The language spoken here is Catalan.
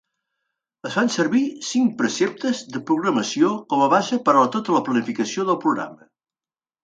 Es fan servir cinc preceptes de programació com a base per a tota la planificació del programa.